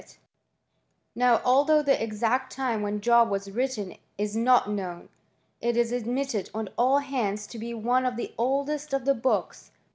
"t Now although the exaet time when Job was written is not known, it is admitted on all hands to be one of the oldest of the books cott ♦ Pba.'